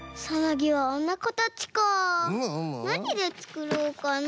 なにでつくろうかな？